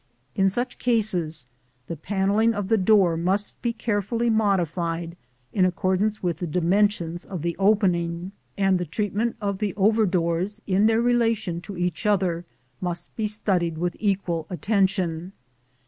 In such cases the panelling of the door must be carefully modified in accordance with the dimensions of the opening, and the treatment of the over doors in their relation to each other must be studied with equal attention.